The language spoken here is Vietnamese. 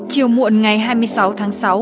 chiều muộn ngày hai mươi sáu tháng sáu